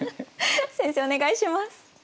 先生お願いします。